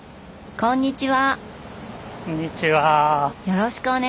こんにちは。